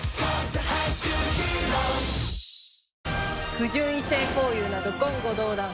不純異性交遊など言語道断。